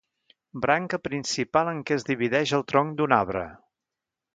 Branca principal en què es divideix el tronc d'un arbre.